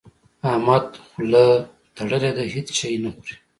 احمد خوله تړلې ده؛ هيڅ شی نه خوري.